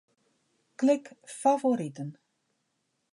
Klik Favoriten.